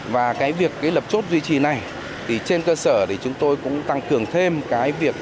và cái việc cái lập chốt duy trì này thì trên cơ sở thì chúng tôi cũng tăng cường thêm cái việc